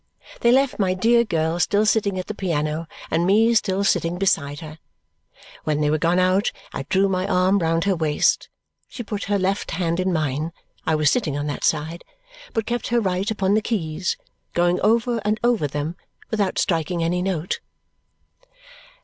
They left my dear girl still sitting at the piano and me still sitting beside her. When they were gone out, I drew my arm round her waist. She put her left hand in mine (I was sitting on that side), but kept her right upon the keys, going over and over them without striking any note.